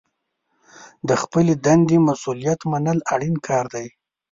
د خپلې دندې مسوولیت منل اړین کار دی.